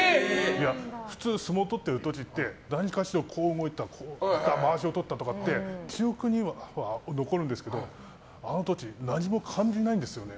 普通、相撲取ってる時って何かしら、こう動いたとかまわしを取ったとか記憶には残るんですけどあの時、何も感じないんですよね。